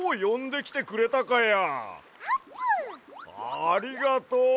ありがとう！